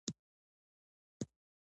د اخترونو لمانځل په شاندارو مراسمو کیږي.